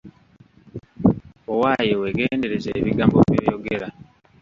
Owaaye weegendereze ebigambo by'oyogera.